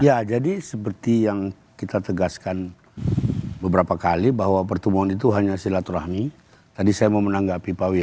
ya jadi seperti yang kita tegaskan beberapa kali bahwa pertemuan itu hanya silaturahmi tadi saya mau menanggapi pak wi